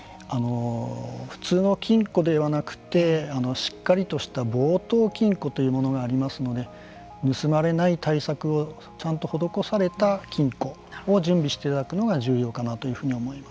普通の金庫ではなくてしっかりとした防盗金庫というものがありますので盗まれない対策をちゃんと施された金庫を準備していただくのが重要かなというふうに思います。